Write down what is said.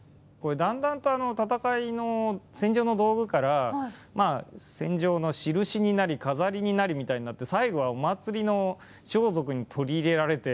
だんだんと戦いの戦場の道具から戦場の印になり飾りになりみたいになって最後は、お祭りの装束に取り入れられて。